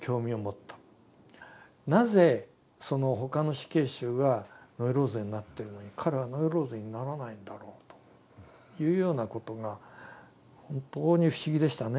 なぜその他の死刑囚はノイローゼになってるのに彼はノイローゼにならないんだろうというようなことが本当に不思議でしたね